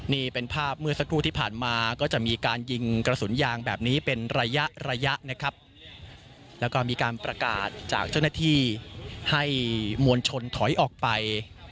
นี่เป็นภาพเมื่อสักครู่ที่ผ่านมาก็จะมีการยิงกระสุนยางแบบนี้เป็นระยะระยะนะครับแล้วก็มีการประกาศจากเจ้าหน้าที่ให้มวลชนถอยออกไป